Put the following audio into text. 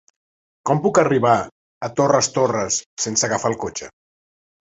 Com puc arribar a Torres Torres sense agafar el cotxe?